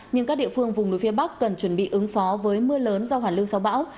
nhưng các địa phương vùng núi phía bắc cần chuẩn bị ứng phó với mưa lớn do hoàn lưu sau bão